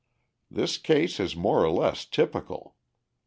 This case is more or less typical.